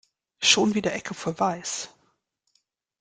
Schon wieder Ecke für weiß.